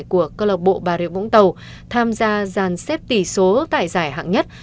của cơ lộc bộ bà rịa vũng tàu tham gia gian xếp tỷ số tải giải hạng nhất